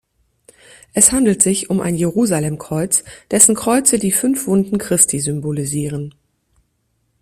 Es handelt sich um ein Jerusalemkreuz, dessen Kreuze die fünf Wunden Christi symbolisieren.